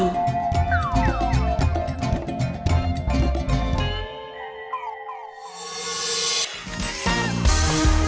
สุดท้ายของแม่บ้านประจันบาล